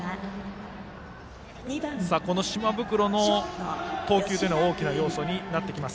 この島袋の投球が大きな要素になってきます。